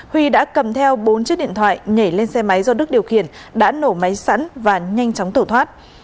huy đã cầm theo bốn chiếc điện thoại nhảy lên xe máy do đức điều khiển đã nổ máy sẵn và nhanh chóng tổ thoát